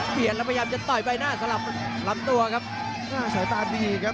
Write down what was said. เปลี่ยนแล้วพยายามจะต่อยใบหน้าสลับลำตัวครับหน้าสายตาดีครับ